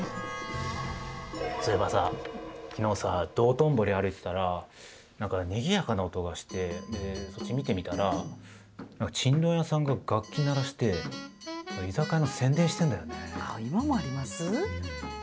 そういえばさ、きのうさ、道頓堀歩いてたら、なんかにぎやかな音がして、そっち見てみたら、ちんどん屋さんが楽器鳴らして、居酒屋の宣伝してんだよね。